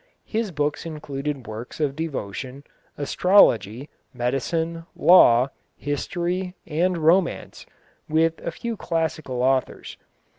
His books included works of devotion, astrology, medicine, law, history, and romance, with a few classical authors.